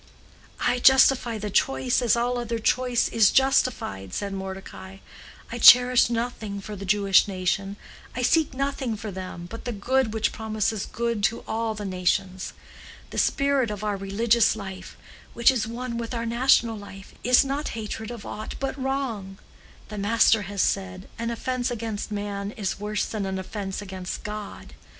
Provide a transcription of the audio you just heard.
"I justify the choice as all other choice is justified," said Mordecai. "I cherish nothing for the Jewish nation, I seek nothing for them, but the good which promises good to all the nations. The spirit of our religious life, which is one with our national life, is not hatred of aught but wrong. The Master has said, an offence against man is worse than an offence against God.